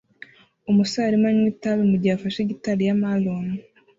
Umusore arimo aranywa itabi mugihe afashe gitari ya marone